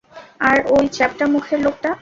আর ওই চ্যাপ্টা মুখের লোকটা?